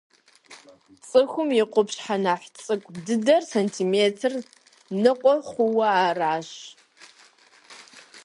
Цӏыхум и къупщхьэ нэхъ цӏыкӏу дыдэхэр сантиметр ныкъуэ хъууэ аращ.